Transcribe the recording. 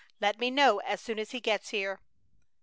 Let me know as soon as he gets here."